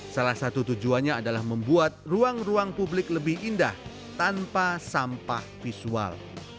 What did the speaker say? salah satu tujuannya adalah membuat ruang ruang publik lebih indah tanpa sampah visual